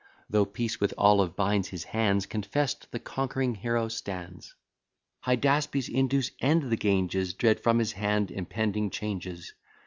Though peace with olive binds his hands, Confess'd the conquering hero stands. Hydaspes, Indus, and the Ganges, Dread from his hand impending changes.